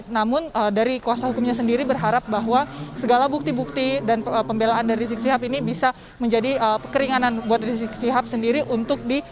namun dari kuasa hukumnya sendiri berharap bahwa segala bukti bukti dan pembelaan dari rizik sihab ini bisa menjadi kekeringanan buat rizik sihab sendiri untuk di